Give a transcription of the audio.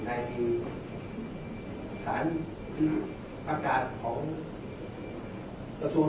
แต่ว่าไม่มีปรากฏว่าถ้าเกิดคนให้ยาที่๓๑